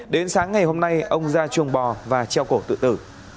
đến sáng ngày hôm nay ông ra chuồng bò và treo cổ tự tử